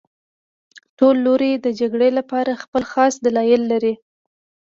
ټول لوري د جګړې لپاره خپل خاص دلایل لري